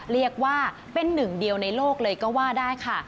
เรียกว่าเป็นหนึ่งเดียวในโลกเลยก็ว่าได้ค่ะ